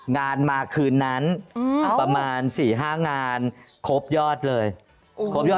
งานมาคืนนั้นประมาณ๔๕งานครบยอดเลยครบยอด